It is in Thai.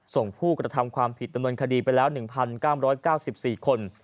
ผู้กระทำความผิดดำเนินคดีไปแล้ว๑๙๙๔คน